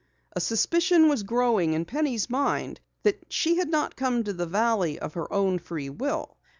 A suspicion was growing in Penny's mind that she had not come to the valley of her own free will.